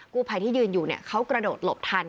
กู้ภัยที่ยืนอยู่เขากระโดดหลบทัน